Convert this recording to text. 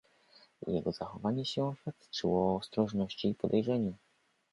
"Jego zachowanie się świadczyło o ostrożności i podejrzeniu."